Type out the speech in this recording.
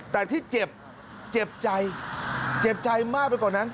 แต่ที่เจ็บเจ็บใจเจ็บใจมากไปกว่านั้น